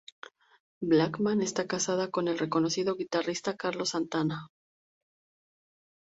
Blackman está casada con el reconocido guitarrista Carlos Santana.